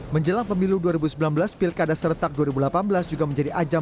menjelang pemilu dua ribu sembilan belas pilkada serentak dua ribu delapan belas juga menjadi ajang